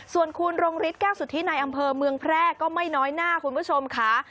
ส่วนคุณรงฤทธิแก้วสุธิในอำเภอเมืองแพร่ก็ไม่น้อยหน้าคุณผู้ชมค่ะ